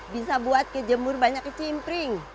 bisa buat kejemur banyak ke timpring